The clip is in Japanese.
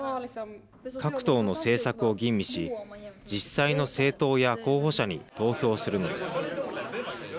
各党の政策を吟味し実際の政党や候補者に投票するのです。